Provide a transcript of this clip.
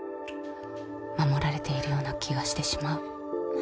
守られているような気がしてしまう。